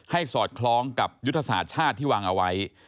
สอดคล้องกับยุทธศาสตร์ชาติที่วางเอาไว้